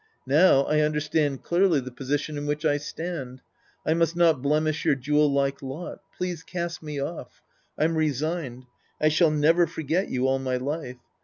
Now I understand clearly the position in which I stand. I must not blemish your jewel like lot. Please cast me off. I'm resigned. I shall never forget you all my life.